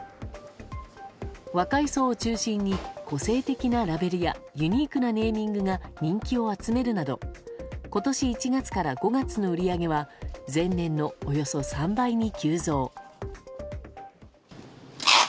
若い層を中心に個性的なラベルやユニークなネーミングが人気を集めるなど今年１月から５月の売り上げは前年のおよそ３倍に急増。